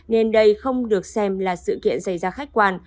nên đây không được xem là sự kiện xảy ra khách quan